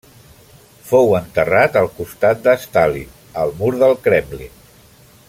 Fou enterrat al costat de Stalin, al mur del Kremlin.